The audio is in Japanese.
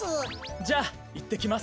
じゃあいってきます。